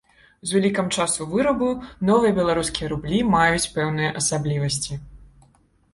З улікам часу вырабу новыя беларускія рублі маюць пэўныя асаблівасці.